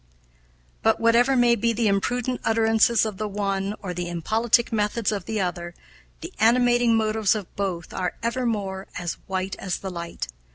"But, whatever may be the imprudent utterances of the one or the impolitic methods of the other, the animating motives of both are evermore as white as the light.